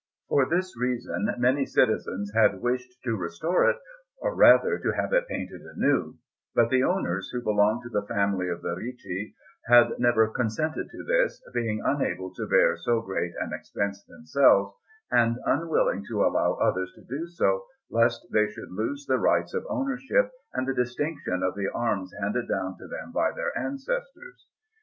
For this reason many citizens had wished to restore it, or rather, to have it painted anew; but the owners, who belonged to the family of the Ricci, had never consented to this, being unable to bear so great an expense themselves, and unwilling to allow others to do so, lest they should lose the rights of ownership and the distinction of the arms handed down to them by their ancestors.